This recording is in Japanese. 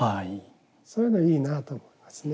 そういうのいいなと思いますね。